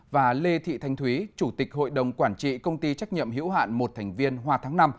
và lê thị thanh thúy chủ tịch hội đồng quản trị công ty trách nhiệm hiểu hạn một thành viên hoa tháng năm